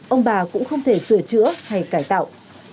ông bà cũng không thể sửa chữa hay cải tạo